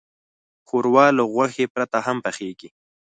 ښوروا له غوښې پرته هم پخیږي.